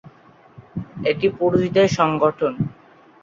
এটি পুরুষদের সংগঠন।